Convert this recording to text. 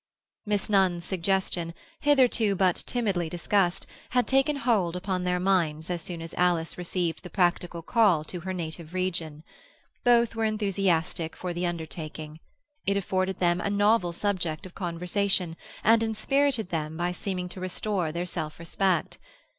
Miss Nunn's suggestion, hitherto but timidly discussed, had taken hold upon their minds as soon as Alice received the practical call to her native region. Both were enthusiastic for the undertaking. It afforded them a novel subject of conversation, and inspirited them by seeming to restore their self respect.